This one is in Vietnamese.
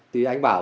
thì anh bảo